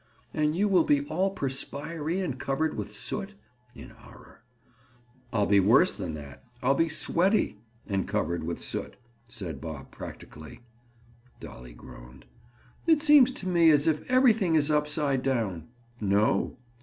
"And you will be all perspirey and covered with soot?" In horror. "I'll be worse than that. I'll be sweaty and covered with soot," said Bob practically. Dolly groaned. "It seems to me as if everything is upside down." "No.